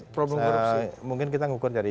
problem korupsi mungkin kita ngukur dari